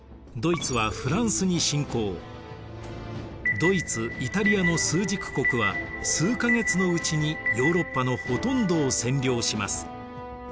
ドイツイタリアの枢軸国は数か月のうちにヨーロッパのほとんどを占領します。